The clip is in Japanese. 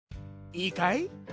いいかい？